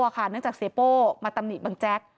เนื่องจากเสียโป้มาตำหนิบังแจ๊ก